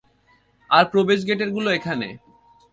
আর প্রবেশগেটেরগুলো এখানে।